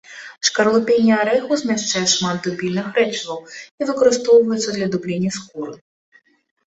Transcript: Шкарлупінне арэхаў змяшчае шмат дубільных рэчываў і выкарыстоўваецца для дублення скуры.